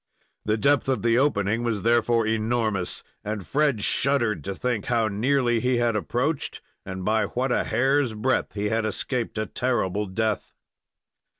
The depth of the opening was therefore enormous, and Fred shuddered to think how nearly he had approached, and by what a hair's breadth he had escaped a terrible death.